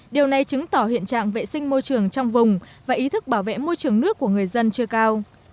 điều này chứng tỏ hiện trạng vệ sinh môi trường trong vùng và ý thức bảo vệ môi trường nước của người dân chưa cao